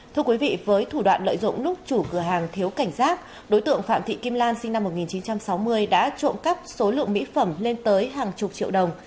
thưa quý vị với thủ đoạn lợi dụng lúc chủ cửa hàng thiếu cảnh giác đối tượng phạm thị kim lan sinh năm một nghìn chín trăm sáu mươi đã trộm cắp số lượng mỹ phẩm lên tới hàng chục triệu đồng